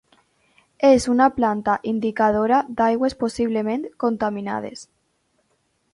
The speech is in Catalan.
És una planta indicadora d'aigües possiblement contaminades.